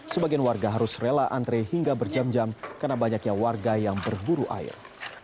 sebagian warga harus rela antre hingga berjam jam karena banyaknya warga yang berburu air